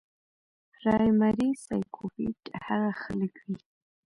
پرايمري سايکوپېت هغه خلک وي